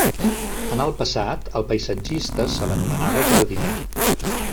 En el passat, al paisatgista se l'anomenava jardiner.